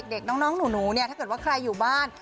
เด็กน้องหนูเนี่ยถ้าเกิดว่าใครอยู่บ้าน